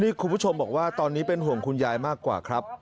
นี่คุณผู้ชมบอกว่าตอนนี้เป็นห่วงคุณยายมากกว่าครับ